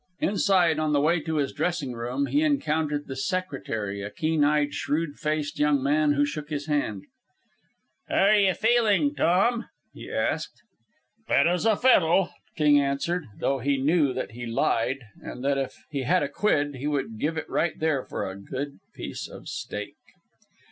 Inside, on the way to his dressing room, he encountered the secretary, a keen eyed, shrewd faced young man, who shook his hand. "How are you feelin', Tom?" he asked. "Fit as a fiddle," King answered, though he knew that he lied, and that if he had a quid, he would give it right there for a good piece of steak.